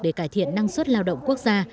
để cải thiện năng suất lao động quốc gia